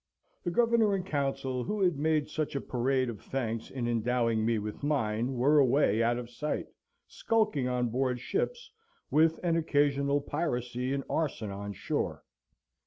The Governor and Council who had made such a parade of thanks in endowing me with mine, were away out of sight, skulking on board ships, with an occasional piracy and arson on shore.